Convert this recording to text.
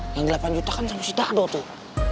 yang delapan juta kan sama si dado tuh